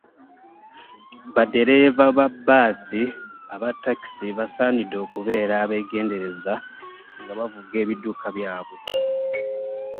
Baddereeva ba bbaasi, abattakisi basaanidde okubeera abegendereza nga bavuga ebidduka byaabwe.